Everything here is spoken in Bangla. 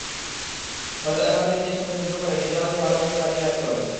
হয়তো এভাবেই নিজের সঙ্গে যুদ্ধ করে নিজের মাঝেই ভালোবাসাকে বাঁচিয়ে রাখতে হবে।